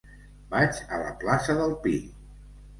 Vaig a la plaça del Pi.